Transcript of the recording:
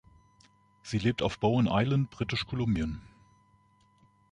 Sie lebt auf Bowen Island, Britisch-Kolumbien.